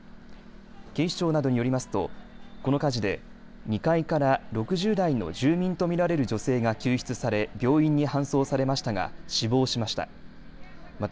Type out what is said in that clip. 警視庁などによりますとこの火事で２階から６０代の住民と見られる女性が救出され病院に搬送されましたが死亡しました。